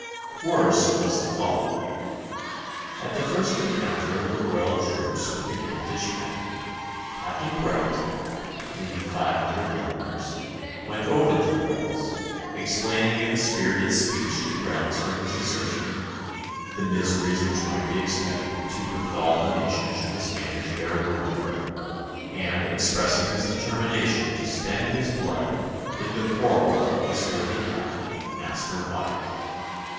Worse was to follow. At the first encounter of the royal troops with the Kentish men Captain Bret, leading five hundred Londoners, went over to the rebels, explaining in a spirited speech the grounds for his desertion, the miseries which might be expected to befall the nation should the Spaniards bear rule over it, and expressing his determination to spend his blood "in the quarrel of this worthy captain, Master Wyatt."